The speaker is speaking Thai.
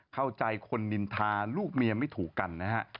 เข้าใจคนนินทาลูกเมียไม่ถูกกันนะฮะ